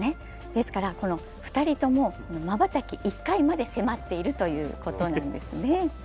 ですから２人ともまばたき１回まで迫っているということなんですね。